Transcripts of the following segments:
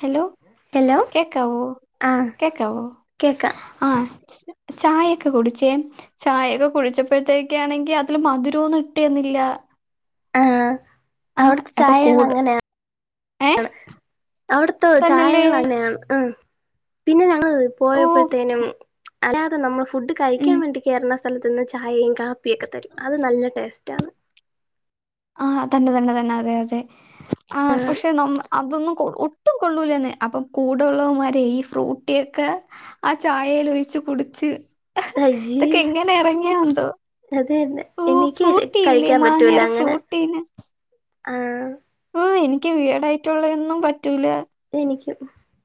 Hello hello കേക്കാവോ ആ കേക്കാവോ കേക്കാം ആ ചായയൊക്കെ കുടിച്ചേ ചായയൊക്കെ കുടിച്ചപ്പോഴത്തേക്കാണെങ്കിൽ അതില് മധുരമൊന്നും ഇട്ട്തന്നില്ല ആ അവിടത്തെ ചായകൾ കൂട് അങ്ങനെയാ ഏഹ് അവിടത്തെ തന്നല്ലേ ചായകൾ അങ്ങനെയാണ് ഉം പിന്ന ഞ ങ്ങള് ഓ പോയപ്പഴത്തേനും അല്ലാതെ നമ്മ ഫുഡ് കഴിക്കാൻ ഉം വേണ്ടി കേർണ സ്ഥലത്തുന്ന് ചായായും കാപ്പിയൊക്കെ തരും അത് നല്ല ടേസ് റ്റാന്ന് ഹ തന്നെ തന്നെ തന്നെ അതെ അതെ ആ പക്ഷെ നമ്മ അതൊന്നും കൊള് ഒട്ടും കൊള്ളുലാന്നെ അപ്പം കൂടെള്ളവമാര് ഈ ഫ്രൂട്ടിയൊക്കെ ആ ചായൽ ഒഴിച്ച് കുടിച്ച് അയ്യേ ഇതൊക്കെ എങ്ങനെ അറിഞ്ഞോയന്തോ അത് തന്നെ ഫ്രൂ എനിക്ക് ഫ്രൂട്ടി ഇല്ലേ കഴിക്കാൻ പറ്റൂല മാങ്ങേര അങ്ങനെ ഫ്രൂട്ട് [inaudible] ആ എനിക്ക് വിടയിറ്റംമുള്ളയൊന്നും പറ്റൂല എനിക്കും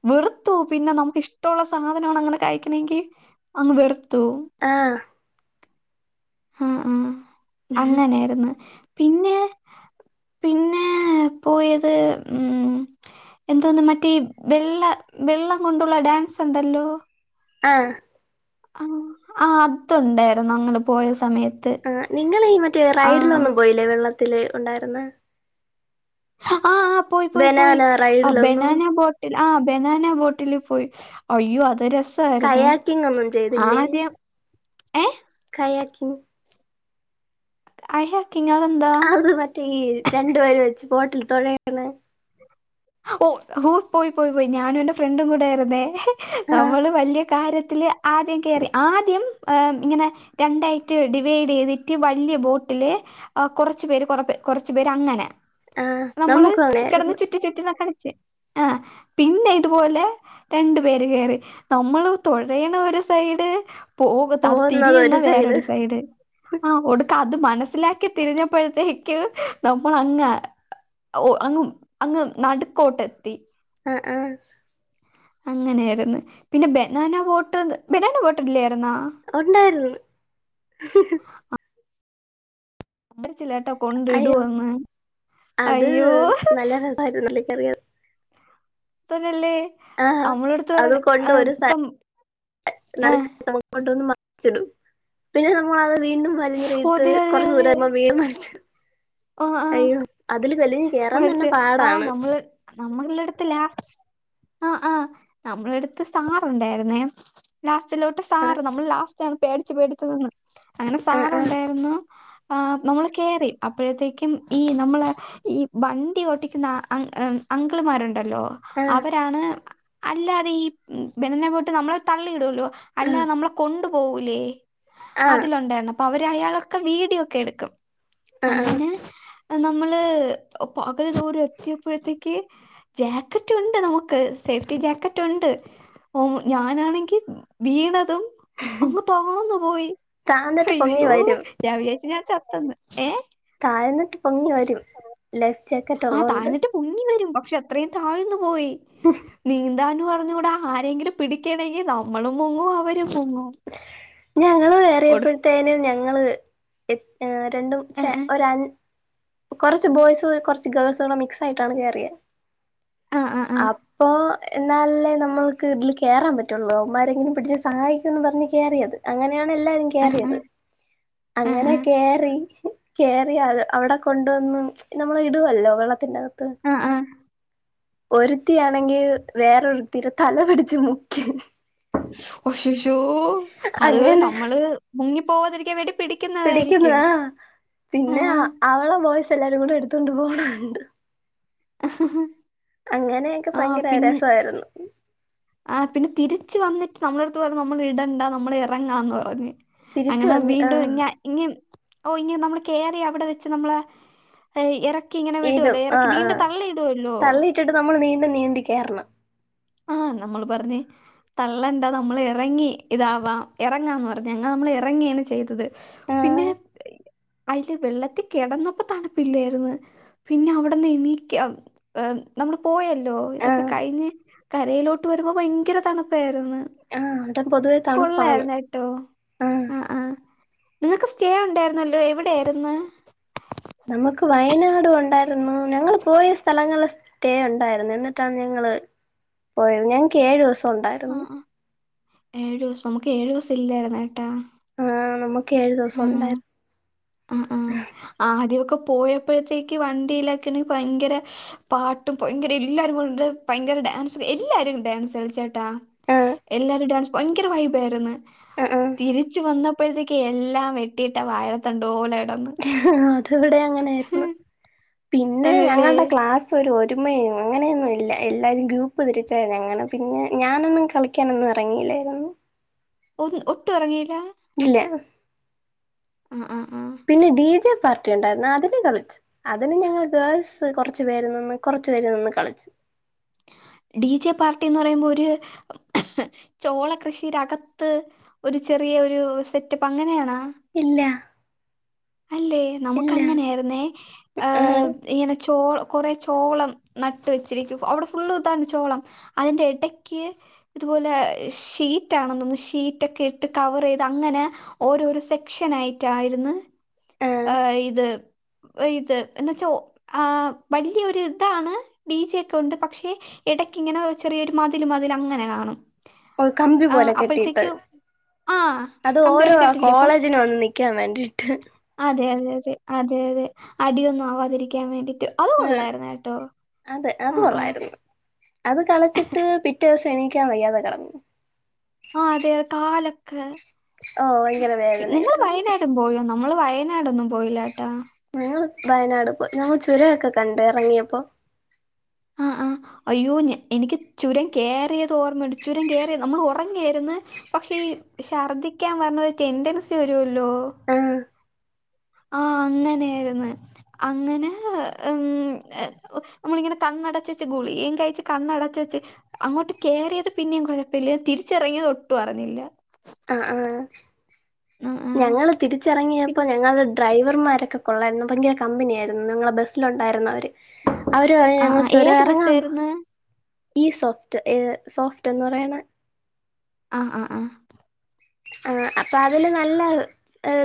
വെറുത്തു പോവും പിന്നെ നമുക്ക് ഇഷ് ടൊള്ള സാധനമാണ് അങ്ങനെ കഴിക്കണെങ്കിൽ അങ്ങ് വെറുത്തു പോകും ആ ഉം ഉം അങ്ങനെയാരിന്ന് പിന്നെ പിന്നെ പോയത് ഉം എന്തോന്ന് മറ്റേ വെള്ള വെള്ളം കൊണ്ടുള്ള ഡാൻസ് ഉണ്ടല്ലോ ആഹ ആ ആ അത്ണ്ടായിരുന്നു ങ്ങങ്ങള് പോയ സമയ ആ നിങ്ങള് ഈ മറ്റേ റൈഡിലൊന്നും പോയില്ലേ വെള്ള ത്തി ഉണ്ടായിരുന്ന ഹ ആഹ് ആഹ് പോയി പോയി പോയി ബനാന ആ റൈഡിലൊന്നും ബനാന ബോട്ടിൽ ആഹ ബനാന ബോട്ടില് പോയി അയ്യോ അതൊരു സ് കയാക്കിങ് ഒന്നും ചെയ്തില്ലേ ഏ കയാക്കിങ് [unintelligible] അത് മറ്റേ ഈ രണ്ടു പേര് വെച്ചു ബോട്ടിൽ തൊഴണ ഒ ഓ പോയി പോയി പോയി ഞാനും എൻറെ ഫ്രണ്ടും കൂടായിരുന്നേ ആഹ് നമ്മള് വലിയ കാര്യത്തി ട്ടില് ആദ്യം കേറി ആദ്യം ഇങ്ങനെ രണ്ടായിട്ട് ഡിവൈഡ് ചെയ്തിട്ട് വല്യ ബോട്ടില് കൊറച്ച് പേര് കൊറച്ച് പേര് അങ്ങനെ ആഹ് നമ്മള് നമുക്കും കെടന്ന് അങ്ങനായിരുന്നു ചുറ്റി ചു അ കളിച് ആ പിന്നെ ഇതുപോലെ രണ്ട് പേര് കേറി നമ്മള് തൊഴയണ ഒരു സൈഡ് പോക അത് പോകുന്നത് തിരിയുന്ന ഒരു വേറൊരു സൈഡ് ആ ഒടുക്ക അത് മനസ് സ്സിലാക്കി തിരിഞ്ഞപ്പോഴത്തേക്കും നമ്മൾ അങ് അങ് അങ്ങ് നടുക്കോട്ടെത്തി ആ ആ അങ്ങനെയായിരുന്നു പിന്നെ ബനാന ബോട്ട് ബനാന ബോട്ട്ല്ലേ ഒണ്ടായിരുന്നു ച്ചില്ലാട്ടോ കൊണ്ട് അയ്യോ ഇടുന്ന് അത് അയ്യോ നല്ല [unintelligible] ത്തന്നല്ലേ ആ അത് കൊണ്ട് ഒരു സ ഇപ്പം ആഹ് [unintelligible] ച്ചിടും പിന്നെ നമ്മളത് വീണ്ടും ഓ വലിഞ്ഞറിയിട്ട് അതെ കൊറെ [unintelligible] ഓ ആ തന്നെ വലിച്ച് ആ പാടാണ് നമ്മള് നമ്മളുടെടുത്ത് ലാസ് ആ ആ നമ്മളെടുത്ത് സാറുണ്ടായിരുന്നേ ലാസ്റ്റ് ച്ചിലോട്ട് ആഹ് സാറ് നമ്മള് ലാസ് ച്ചാണ് പേടിച് പേടിച്ച് നിന്ന് അങ്ങനെ ആഹ് ആഹ് സാറൊണ്ടായിരുന്നു ആ നമ്മൾ കേറി അപ്പോഴത്തേക്കും ഈ നമ്മള് ഈ വണ്ടി ഓട്ടിക്കുന്ന അങ്കിള്മാരു ണ്ടല്ലോ ആഹ് അവരാണ് അല്ലാതെ ഈ ബെനങ്ങോട്ട് നമ്മള് തള്ളിയിടുല്ലോ അല്ല ആഹ് നമ്മളെ കൊണ്ട് പോവൂല്ലെ ആഹ് അതിലൊണ്ടായിരുന്നു പ്പൊ അവര് അയാളൊക്കെ വീഡിയോയൊക്കെ എടുക്കും അ അ അത് നമ്മള് പകുതി ദൂരം എത്തിയപ്പോഴത്തേക്ക് ജാക്കറ്റ് ഉണ്ട് നമുക്ക്. സേഫ്റ്റി ജാക്കറ്റ് ഒണ്ട് ഓ ഞാനാണെങ്കി വീണതും. അങ്ങ് താന്ന് പോയി. താന്നിട്ട് പൊങ്ങി ഹയ്യോ വരും ഞാൻ വിചാരിച്ച് ഞാൻ ചത്തന്ന് ഏഹ് ആ എന്നിട്ട്? പൊങ്ങി വരും ലൈഫ് ജാക്കറ്റ് ആഹ് ഉള്ളോണ്ട് താഴ്ന്നിട്ട് പൊങ്ങി വരും പ ക്ഷെ അത്രയും താഴ്ന്നു പോയി നീന്താൻ നറിഞ്ഞു കൂടാ ആരെങ്കിലും പിടിക്കണേ നമ്മളും മുങ്ങും അവരും മുങ്ങും ഞങ്ങള് ഒടു വേറിയപ്പോഴത്തേനും ഞ ങ്ങള് എഹ് രണ്ടും ആ ച്ചെ ഒരൺ കൊറച്ച് ബോയ്സ് കുറച്ച് ഗേൾസൂടെ മിക്സായിട്ടാണ് കേറിയേ ആ ആ ആ അപ്പോ എന്നാലല്ലേ നമ്മൾക്ക് ഇതില് കേറാൻ പറ്റുള്ളൂ അമ്മാരെങ്കിലും പിടിച്ച് സഹാ യിക്കുംന്ന് പറഞ്ഞ് കേറിയത് അങ്ങ നെയാണെല്ലാരും ആ ആ കേറിയത് ആ അങ്ങനെ കേറി കേറിയാത് അവിടെ കൊണ്ടുവന്നും നമ്മളിടുവല്ലോ വെള്ളത്തിന്റെ അക ആഹ് ആഹ് ഒരുത്തിയാണെങ്കി വേറൊരുത്തീടെ തല പിടിച്ച് മുക്കി ഒശ് ശ് യ്യോ അത് അങ്ങനെ നമ്മള് മുങ്ങി പോകതിരിക്ക വേണ്ടി പിടിക്കുന്നതായിരിക്കും പിടിക്കുന്നതാ ആ പിന്നെ അവളെ ബോ എല്ലാരും കൂടെ എടുത്തൊണ്ട് പോണ കണ്ടു അങ്ങനെയൊക്കെ ആ ഭയങ്കര പിന്നെ രസവാരുന്നു ആ പിന്നെ തിരിച്ചു വന്നിട്ട് നമ്മളെടുത്ത് പറഞ്ഞ് നമ്മള് ഇടണ്ട നമ്മള് ഇറങ്ങാന്ന് പറഞ്ഞ് തിരിച്ച് അങ്ങനെ വന്ന് വീണ്ടും ആഹ് ഇങ്ങ ഇങ്ങ് ഓ ഇനി നമ്മള് കേറി അവിടെ വെച്ച് നമ്മള് എ ഇടും ആഹ് ആഹ് തള്ളിയിട്ടിട്ട് നമ്മള് നീണ്ടും നീന്തി കേറണം ആഹ് നമ്മള് പറഞ്ഞ് തള്ളണ്ടാ നമ്മള് എറങ്ങി ഇതാവാ എറങ്ങാന്ന് പറഞ്ഞ് അങ്ങെ നമ്മള് എറങ്ങിയാണ് ചെയ്തത് ആഹ് പിന്നെ അയില് വെള്ളത്തി കെടന്നപ്പോ തണുപ്പില്ലേരുന്ന് പിന്നെ അവിടെന്ന് എണിക്കാ ഏഹ് നമ്മള് പോയല്ലോ ഇതൊക്കെ ആഹ് കഴിഞ്ഞ് കരേലോട്ട് വരുമ്പോ ഭയങ്കര തണു പ്പാരുന്ന് ആഹ് അവിടെ പൊതുവെ തണുപ്പാണ് കൊള്ളാരുന്നു ട്ടോ ആഹ് ആഹ് നിങ്ങക്ക് സ്റ്റേ ഒണ്ടാരുന്നല്ലോ എവിടെയാര്ന്ന് നമുക്ക് വയനാട് പോണ്ടാ ന്ന് ഞങ്ങള് പോയ സ്ഥലങ്ങള് സ്റ്റേ ഒണ്ടായിര്ന്ന് എന്നിട്ടാണ് ഞങ്ങള് പോയത് ഞങ്ങക്ക് ഏഴൂസം ഉണ്ടായിരുന്നു ഏഴൂസം നമുക്ക് ഏഴൂസം ഇല്ലായിര്ന്ന് കെട്ടാ ആ നമു കേഴുദെവസ ഒണ്ടായ്ര് ഉം ഉം ആ ആദ്യമൊക്കെ പോയപ്പോഴത്തേക്ക് വണ്ടിയിലക്കണെ ഭയങ്കര പാട്ടും ഭയങ്കര എല്ലാവരും വന്ന്ണ്ട് ഭയങ്കര ഡാൻസ് എല്ലാരും ഡാൻസ് കളിച്ചേട്ടാ ആഹ് എല്ലാരും ഡാൻസ് ഭയങ്കര വൈബായിര്ന്ന് ആഹ് തിരിച്ചു വന്ന പ്പോഴത്തേക്ക് എല്ലാം വെട്ടിയിട്ട വാഴ തണ്ട്പോലെ ആ ത് ഇവിടെ അങ്ങനേയ്ര്ന്ന് പിന്നെ അതല്ലേ ഞങ്ങൾടെ ക്ലാസ് ഒരു ഒ രുമയ അങ്ങനെയൊന്നും ഇല്ല എല്ലാരും ഗ്രൂപ്പ് തിരിച്ചായിങ്ങനെ പിന്നെ ഞാനൊന്നും കളിക്കാനൊന്നും എറങ്ങിയില്ലായിരുന്നു ഒ ഒട്ടും എറങ്ങീലാ ഇല്ല അ അ ആ പിന്നെ ഡിജെ പാർട്ടി ഒണ്ടായിര്ന്നു അതിന് കളിച്ചു അതിന് ഞങ്ങള് ഗേൾസ് കൊറച്ചു പേര് നിന്ന് കൊറച്ച് പേര് നിന്ന് കളിച്ച് ഡിജെ പാർട്ടിന്ന് പറയുമ്പോ ഒര് ചോള കൃഷിടെകത്ത് ഒരു ചെറിയ ഒരു സെറ്റപ്പ് അങ്ങനെയണാ ഇല്ല അല്ലേ നമുക്ക് ഇല്ല അങ്ങനെയായിരുന്നെ ആ ആഹ് ഇങ്ങനെ ചോ കൊറേ ചോളം നട്ട് വെച്ചിരിക്കും അവിടെ ഫുള്ള് താണ് ചോളം അയ്ന്റെ എടക്ക് ഇതുപോലെ ഷീറ്റാണെന്നോന്നുന്നു ഷീറ്റെക്കെ ഇട്ട് കവറെയ്ത് അങ്ങനെ ഓരോരോ സെക്ഷൻ ആയിട്ടായിര്ന്ന് ആഹ് ആ ഇത് ഇത് എന്ന് വെച്ചാ ആ വലിയൊരുതാണ് ഡിജെ ഒക്കെണ്ട് പക്ഷെ ഇടക്കിങ്ങനെ ഒര് ചെറിയൊരു മതിൽ മതിൽ അങ്ങനെ കാണും ഒരു കമ്പി ആ, പോലെ കെട്ടിട്ട് അപ്പോഴത്തേക്ക് ആ അത് കമ്പികൾ ഓരോ കെട്ടിരിക്കും അപ്പം കോളേജിനും വന്ന് നിക്കാൻ വേണ്ടീട്ട് അതെയതെ അതെ അതെ അടിയൊന്നും ആവാതിരിക്കാൻ വേണ്ടി അത് ആഹ് കൊള്ളായിര്ന്നു കേട്ടോ അതെ അത് ആ ആ കൊള്ളായിരുന്നു അത് കളിച്ചിട്ട് പിറ്റേ ദിവസം എണീക്കാൻ വയ്യാതെ കെടന്നു ആ അതെ അ കാലൊക്കെ ഓഹ് ഭയങ്കര പിന്നെ നിങ്ങള് വേദനയായിരുന്നു വയനാടും പോയോ നമ്മള് വയ നാടൊന്നും പോയില്ലട്ടോ ങ്ങള് വയനാട് പോയ് ഞങ്ങള് ചുരൊക്കെ കണ്ട് എറങ്ങിയപ്പോ ആ ആഹ് അയ്യോ ഞ എനിക്ക് ചുരം കേറിയത് ഓർമ്മയുണ്ട് ചുരം കേറിയത് നമ്മള് ഒറങ്ങായാരുന്നു പക്ഷേ ഈ ശർദിക്കാൻ വരുന്ന ഒരു ടെണ്ടൻസി വരുവല്ലോ ആഹ് ആ അങ്ങനെയാര്ന്ന് അങ്ങനെ ഉം നമ്മളിങ്ങനെ കണ്ണടച്ച് വെച്ച് ഗുളികയും കഴിച്ച് കണ്ണടച്ച് വെച്ച് അങ്ങോട്ട് കേറിയത് പിന്നെയും കൊഴപ്പല്ലേ തിരിച്ചിറങ്ങിയത് ഒട്ടും അറിഞ്ഞില്ല ആ ആ ആഹ് ആഹ് ഞങ്ങള് പിൻ തിരിച്ചെറങ്ങിയപ്പോ ഞങ്ങള് ഡ്രൈവർമാരൊക്കെ കൊള്ളായിരുന്നു ഭയങ്കര കമ്പനിയായിരുന്നു ഞങ്ങടെ ബസ്സില് ഒണ്ടായിരുന്നവര് അവര് പറയുവാ ആഹ് ഞങ്ങള് ആഹ് ചുരം ഏത് എ റങ്ങാംന്ന് ബസ്സായിരുന്നു? ഈ സോഫ്റ്റ് ഏ സോഫ്റ്റ് എന്ന് പറയണ ആഹ് ആഹ്‌ ആ ആ അപ്പൊ അതില് നല്ല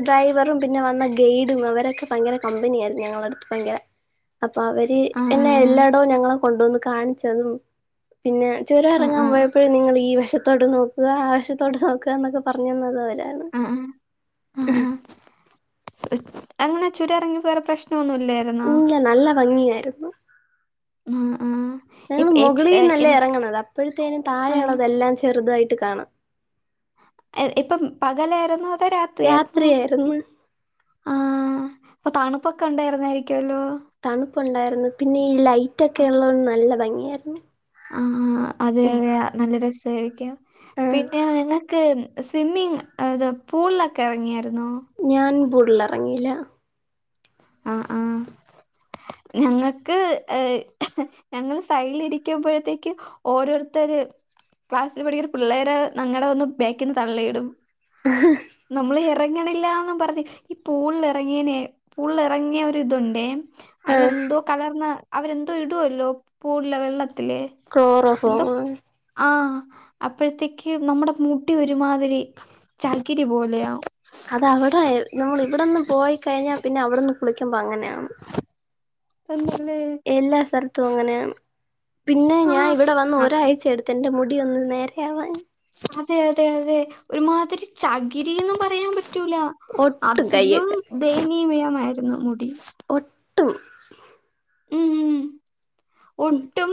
ഡ്രൈവറും പിന്നെ വന്ന ഗൈഡും അവരൊക്കെ ഭയങ്കര കമ്പനി ആയിരുന്നു ഞങ്ങടെ അടുത്ത് ഭയങ്കര അപ്പൊ അവര് എന്നെ എല്ലായിടവും ഞങ്ങളെ കൊണ്ടുവന്ന് കാണിച്ചതും പിന്നെ ചുരം ആഹ് ആഹ് ആഹ് എറങ്ങാൻ ആഹ് പോയപ്പോഴും നിങ്ങൾ ഈ വേശ ത്തോട്ട് നോക്കുക ആ വശത്തോട്ട് നോക്കുക എന്നൊക്കെ പറ പറഞ്ഞുതന്നത് അവൻ വരാണ് ആഹ് എങ്ങനാ ചുരം എറങ്ങിയപ്പോ വേറെ പ്രശ് ഒന്നുമില്ലായിരുന്നോ ഇല്ല നല്ല ഭംഗിയായിരുന്നു ആഹ് ഞങ്ങള് ഇപ് ഇപ് എൻ മൊകളീന്നല്ലേ എറങ്ങണത് അപ്പോഴത്തേനും താഴെയൊ ആഹ് ള്ളതെല്ലാം ചെറുതായി ട്ട് കാണാം എ ഇപ്പം പകലായിരുന്നോ അതോ തോ രാത്രിയായിരുന്നോ രാത്രിയായിരുന്നു ആ അപ്പോ തണുപ്പൊക്ക ഒണ്ടായിരുന്നായിരിക്കും തണുപ്പൊണ്ടായിര് പിന്നെ ഈ ലൈ ലൈറ്റൊക്കെ ഒള്ളോണ്ട് നല്ല ഭംഗി എര്ന്ന് ആഹ് അതെ അതെ നല്ല രസായിരിക്കും ആഹ് പിന്നെ നിങ്ങക്ക് ഉം സ്വിമ്മിങ് അത് പൂളിലൊക്കെ ഇറങ്ങിയാര് ഞാൻ പുൾ ള്ളറങ്ങീല ആ ആ ഞങ്ങക്ക് ഏ ഞങ്ങള് സൈഡിൽ ഇരിക്കുമ്പോഴത്തേക്കും ഓരോരുത്തര് ക്ലാസ്സില് പഠിക്കുന്ന പിള്ളേര് നങ്ങട വന്ന് ബേക്കിന്ന് തള്ളിയിടും നമ്മള് എ റങ്ങണില്ലാന്നും പറഞ്ഞ് ഈ പൂളിൽ എറങ്ങിനേ പൂളെറങ്ങിയ ഒരിതുണ്ടേ അയില് ആഹ് എന്തോ കലർന്ന അവരെന്തോ ഇടുവല്ലോ പൂൾല വെള്ളത്തി ക്ലോറോഫോമ് അപ്പോഴത്തേക്കും നമ്മുട മുടി ഒരുമാതിരി ചകിരി പോലെയാവും അതവിടെ നമ്മളിവിടെന്ന് പോയി കഴിഞ്ഞാ പിന്നെ അവിട്ന്ന് കുളിക്കുമ്പോ അങ്ങനെ നം [unintelligible] എല്ലാ സ്ഥലത്തും അങ്ങനെയാണ് പിന്നെ ഞാൻ ആഹ് ഇവിടെ വന്ന് ഒരാഴ്ച എട്ത്ത് എന്റെ മു ടിയൊന്ന് നേരെയാവാൻ അതെ അതെ അതെ ഒരുമാതിരി ചകിരീന്നും പറയാൻ പ റ്റൂല ഒട്ടും അതിലും കയ്യൊക്കെ ദയനീയമിയാണ് ആയിരുന്നു മുടി ഒട്ടും ഉം ഉം ഒട്ടും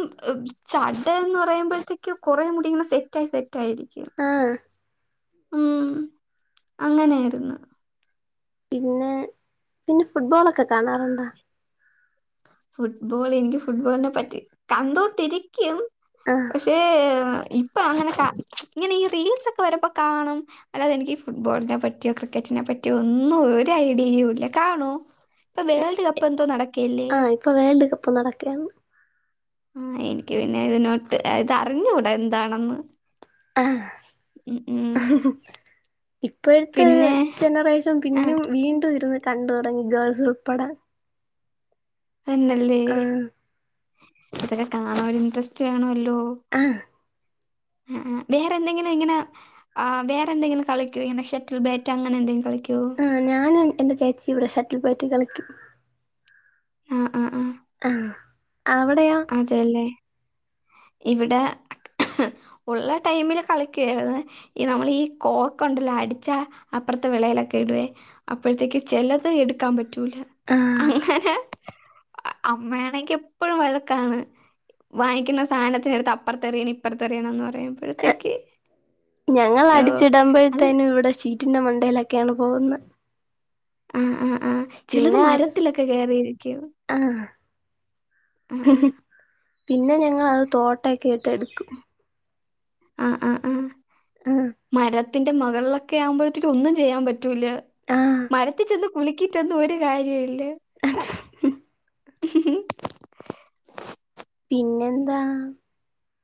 ചടയെന്ന് പറയുമ്പോഴത്തേക്കും കൊറേ മുടിങ്ങനെ സെറ്റ് ആയി സെ റ്റായിരിക്കും ആഹ് ഉം അങ്ങനായിരുന്നു പിന്ന പിന്നെ ഫുട്ബോളൊക്കെ കാണാറുണ്ടാ ഫുട്ബോളെനിക്ക് ഫുട്ബോളിനെ പറ്റി കണ്ടോണ്ടിരിക്കും ആഹ് പക്ഷേ ഇപ്പൊ അങ്ങനെ കാ ഇങ്ങനെ ഈ റീൽസ് ഒക്കെ വരുമ്പോ കാണും അല്ലാതെ എനിക്ക് ഫുട്ബോളിനെ പറ്റിയോ ക്രിക്കറ്റിനെ പറ്റിയോ ഒന്നും ഒരു ഐഡിയെയും ഇല്ല കാണോ ഇപ്പൊ വേൾഡ് കപ്പെന്തോ നടക്കേല്ലേ പ്പ വേൾഡ് കപ്പ് നടക്കയാണ് ആ എനിക്ക് പിന്നെ ഇതിനോട്ട് എതറിഞ്ഞുടാ എന്താണെന്ന് ആ ഉം ഉം. പിന്നെ ഇപ്പഴേത്ത്ജനറേഷൻ ആ പിന്നും വീണ്ടും ഇതിരുന്ന് കണ്ടോടങ്ങി ഗേൾസ് ഉൾപ്പെടെ തന്നല്ലേ ആഹ് അതക്കെ കാണാൻ ഒരു ഇൻട്രസ്റ്റ് വേണോ ല്ലോ ആഹ് ആആ വേറെ എന്തെങ്കിലും ഇങ്ങനെആ വേറെന്തെങ്കിലും കളിക്കോ ഇങ്ങനെ ഷട്ടിൽ ബാറ്റ് അങ്ങനെ എന്തെങ്കിലും കളി- ആ ഞാനും എന്റെ ചേച്ചിയും ഇവിടെ ഷട്ടിൽ ബാറ്റ് കളി ആ അതെല്ലേ ഇവിടെ ഉള്ള ടൈമില് കളിക്കുവായിരുന്ന്. ഈ നമ്മൾ ഈ കോക്ക് ഉണ്ടല്ലോ അടിച്ച അപ്പുറത്തെ വെളേയിലൊക്കെ ഇടുവേ. അപ്പഴ്ത്തേക്ക് ചിലത് എടുക്കാൻ പ റ്റൂല ആഹ് അങ്ങനെ അമ്മയാണെങ്കി എപ്പഴും വഴക്കാണ് വാങ്ങിക്കുന്ന സാനത്തിനെടുത്ത് അപ്രത്തെറിയണം ഇപ്രറത്തെറിയണം എന്ന് പറഞ്ഞ് ഏഹ് ഓ അത് ഞങ്ങളാടിച്ചിടമ്പോഴത്തേനും ഇവിടെ ശി റ്റിന്റെ മണ്ടയിലൊക്കെയാണ് പോകുന്നെ ആ ആ ആ ചെലത് അത് മരത്തിലക്കെ കേറിയിരിക്കും ആഹ് ആ ആ പിന്നെ ഞങ്ങളത് തോട്ട കേട്ടെടുക്കും ആ ആ ആ ആഹ് മരത്ത് ത്തിന്റെ മേകളിലൊക്കെ ആവുമ്പോഴത്തേക്ക് ഒന്നും ചെയ്യാൻ പറ്റ റ്റൂല്ല ആഹ് മരത്തി ചെന്ന് കുലുക്കിട്ടൊന്നും ഒരു കാര്യ ഇല്ല [inaudible] പിന്നെന്താ